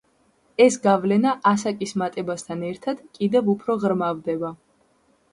ეს გავლენა ასაკის მატებასთან ერთად, კიდევ უფრო ღრმავდება.